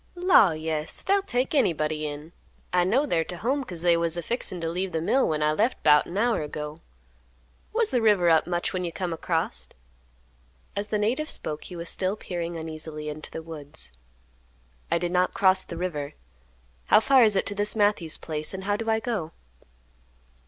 "Law, yes! They'll take anybody in. I know they're to home 'cause they was a fixin' t' leave the mill when I left 'bout an hour ago. Was the river up much when you come acrost?" As the native spoke he was still peering uneasily into the woods. "I did not cross the river. How far is it to this Matthews place, and how do I go?"